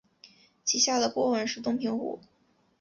其下的波纹是东平湖。